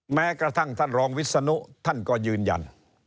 แม้กระทั่งท่านรองวิศนุท่านก็ยืนยัน